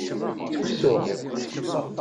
Ttusuɣ.